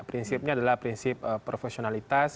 prinsipnya adalah prinsip profesionalitas